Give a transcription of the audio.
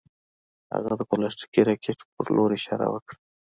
هغه د پلاستیکي راکټ په لور اشاره وکړه